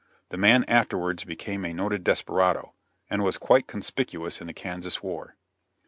The man afterwards became a noted desperado, and was quite conspicuous in the Kansas war.